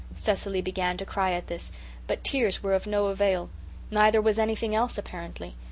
Cecily began to cry at this; but tears were of no avail. Neither was anything else, apparently.